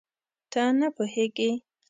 ته نه پوهېږې؟